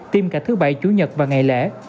tiêm cả thứ bảy chủ nhật và ngày lễ